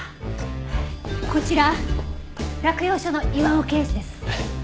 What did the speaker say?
こちら洛陽署の岩尾刑事です。